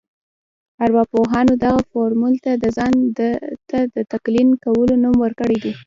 ارواپوهانو دغه فورمول ته د ځان ته د تلقين کولو نوم ورکړی دی.